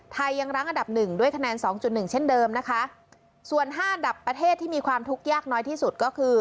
ยังรั้งอันดับหนึ่งด้วยคะแนนสองจุดหนึ่งเช่นเดิมนะคะส่วนห้าอันดับประเทศที่มีความทุกข์ยากน้อยที่สุดก็คือ